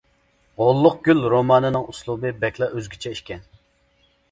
«غوللۇق گۈل» رومانىنىڭ ئۇسلۇبى بەكلا ئۆزگىچە ئىكەن.